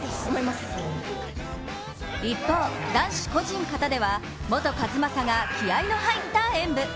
一方、男子個人方では本一将が気合いの入った演舞。